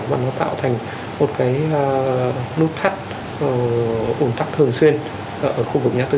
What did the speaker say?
mà nó tạo thành một cái nút thắt ủn tắc thường xuyên ở khu vực ngã tư sở